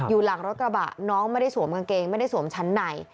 อยู่หลังรถกระบะน้องไม่ได้สวมกางเกงไม่ได้สวมชั้นใน